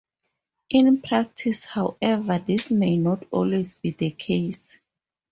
In practice however this may not always be the case.